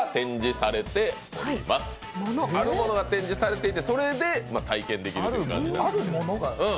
あるものが展示されていてそれで体験できるという感じ。